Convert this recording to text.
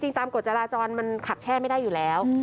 ตามกฎจราจรมันขับแช่ไม่ได้อยู่แล้ว